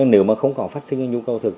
nếu mà không có phát sinh cái nhu cầu thực